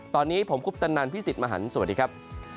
ตอนนี้ผมคุปตันนันพี่สิทธิ์มหันฯสวัสดีครับ